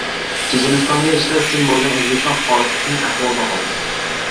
Chechenistonga ishlash uchun borgan O‘zbekiston fuqarosi qiyin ahvolda qoldi